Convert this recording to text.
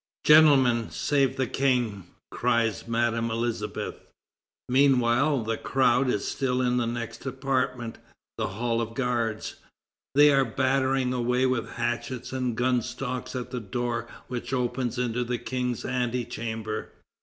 '" "Gentlemen, save the King!" cries Madame Elisabeth. Meanwhile, the crowd is still in the next apartment, the Hall of the Guards. They are battering away with hatchets and gun stocks at the door which opens into the King's Antechamber.